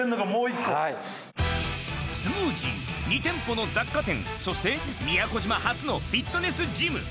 礇好燹璽検２店舗の雑貨店修靴宮古島初のフィットネスジム磴